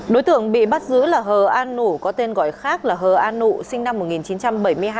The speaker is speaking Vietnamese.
đối tượng bị bắt giữ là hờ an nủ có tên gọi khác là hờ an nụ sinh năm một nghìn chín trăm bảy mươi hai